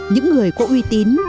những người có uy tín